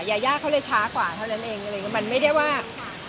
และเขาช้ากว่าเท่านั้นจะไม่ได้ขนาดดูใหญ่เวลาแล้วกะมันจะเทียบใช้